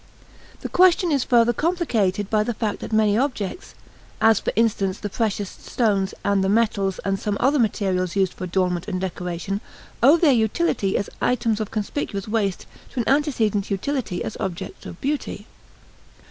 The question is further complicated by the fact that many objects, as, for instance, the precious stones and the metals and some other materials used for adornment and decoration, owe their utility as items of conspicuous waste to an antecedent utility as objects of beauty.